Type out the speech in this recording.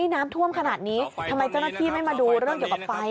น้ำท่วมขนาดนี้ทำไมเจ้าหน้าที่ไม่มาดูเรื่องเกี่ยวกับไฟ